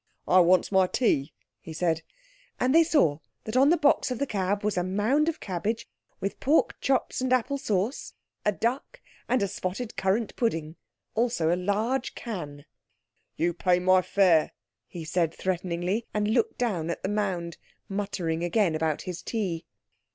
"I wants my tea," he said; and they saw that on the box of the cab was a mound of cabbage, with pork chops and apple sauce, a duck, and a spotted currant pudding. Also a large can. "You pay me my fare," he said threateningly, and looked down at the mound, muttering again about his tea.